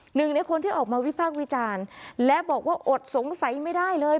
หนึ่งในคนที่ออกมาวิพากษ์วิจารณ์และบอกว่าอดสงสัยไม่ได้เลย